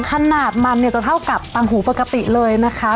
คันหน้ามันจะเท่ากับต่างหูปกติเลยนะคะ